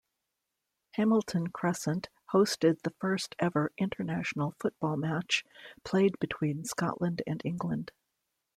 Hamilton Crescent hosted the first ever international football match, played between Scotland and England.